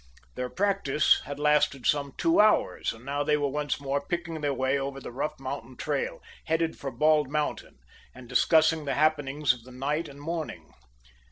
Their practice had lasted some two hours, and now they were once more picking their way over the rough mountain trail, headed for Bald Mountain, and discussing the happenings of the night and morning.